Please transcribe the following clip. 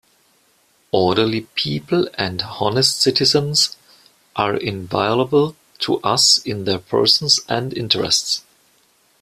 Orderly people and honest citizens are inviolable to us in their persons and interests.